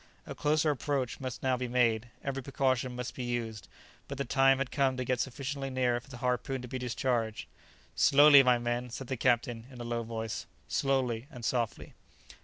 A closer approach must now be made; every precaution must be used; but the time had come to get sufficiently near for the harpoon to be discharged. "Slowly, my men," said the captain, in a low voice; "slowly and softly!"